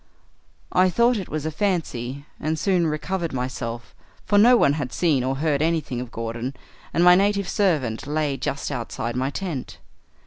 "I thought it was a fancy, and soon recovered myself, for no one had seen or heard anything of Gordon, and my native servant lay just outside my tent.